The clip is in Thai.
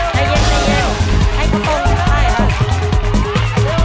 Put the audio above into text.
ใจเย็นให้เขาต้นไข้ครับ